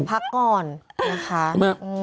พักก่อนนะคะ